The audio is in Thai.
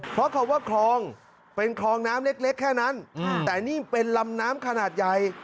เพราะคำว่าคลองเป็นคลองน้ำเล็กแค่นั้นแต่นี่เป็นลำน้ำขนาดใหญ่